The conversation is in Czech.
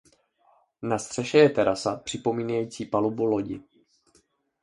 Na střeše je terasa připomínající palubu lodi.